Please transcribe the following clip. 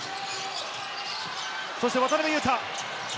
そして渡邊雄太！